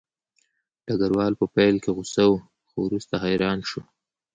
ډګروال په پیل کې غوسه و خو وروسته حیران شو